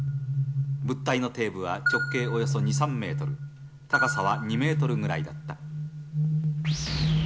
物体の底部は直径およそ２、３メートル、高さは２メートルぐらいだった。